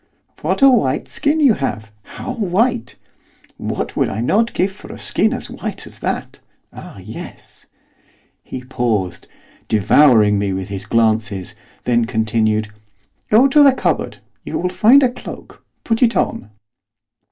'What a white skin you have, how white! What would I not give for a skin as white as that, ah yes!' He paused, devouring me with his glances; then continued. 'Go to the cupboard; you will find a cloak; put it on.